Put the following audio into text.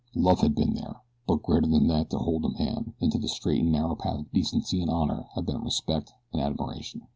Love had been there; but greater than that to hold a man into the straight and narrow path of decency and honor had been respect and admiration.